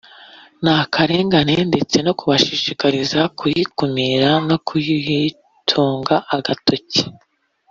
n akarengane ndetse no kubashishikariza kuyikumira no kuyitunga agatoki